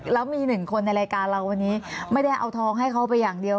แล้วมีหนึ่งคนในรายการเราวันนี้ไม่ได้เอาทองให้เขาไปอย่างเดียว